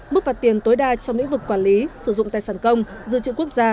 mức phạt tiền tối đa trong lĩnh vực quản lý sử dụng tài sản công giữ chữ quốc gia